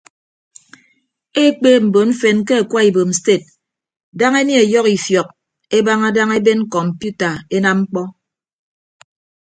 Ekpeep mbon mfen ke akwa ibom sted daña enie ọyọhọ ifiọk ebaña daña eben kọmpiuta enam ñkpọ.